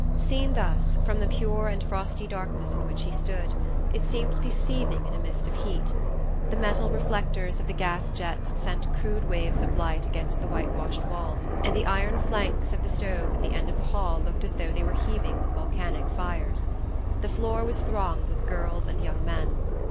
Seen thus, from the pure and frosty darkness in which he stood, it seemed to be seething in a mist of heat. The metal reflectors of the gas jets sent crude waves of light against the whitewashed walls, and the iron flanks of the stove at the end of the hall looked as though they were heaving with volcanic fires. The floor was thronged with girls and young men.